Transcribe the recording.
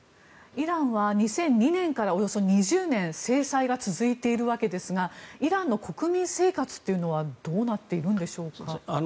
イランは２００２年からおよそ２０年制裁が続いているわけですがイランの国民生活というのはどうなっているんでしょうか？